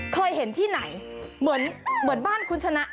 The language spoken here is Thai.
เคยเห็นที่ไหนเหมือนบ้านคุณชนะ